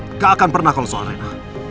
nggak akan pernah kalau soal reina